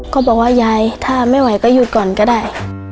บอกว่ายายถ้าไม่ไหวก็หยุดก่อนก็ได้